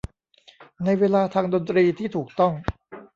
ในเวลาทางดนตรีที่ถูกต้อง